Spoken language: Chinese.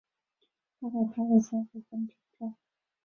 大概拍了三十分钟照